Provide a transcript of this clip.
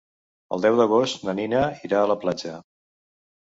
El deu d'agost na Nina irà a la platja.